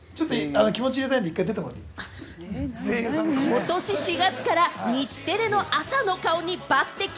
ことし４月から日テレの朝の顔に抜てき。